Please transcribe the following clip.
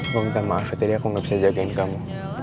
gue minta maaf jadi aku gak bisa jagain kamu